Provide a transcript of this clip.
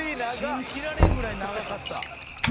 信じられへんぐらい長かった。